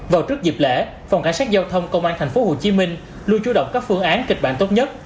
vào trước dịp lễ phòng cảnh sát giao thông công an tp hcm luôn chú động các phương án kịch bản tốt nhất